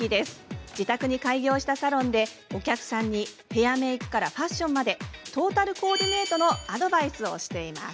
自宅に開業したサロンでお客さんにヘアメイクからファッションまでトータルコーディネートのアドバイスをしています。